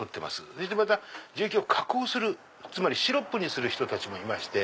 それでまた樹液を加工するシロップにする人たちもいて。